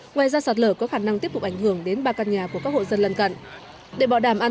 ngoài ra sạt lở có khả năng tiếp tục ảnh hưởng đến ba căn nhà của các hộ dân lân cận